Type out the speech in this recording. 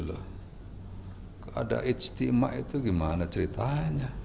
ada ijtima itu gimana ceritanya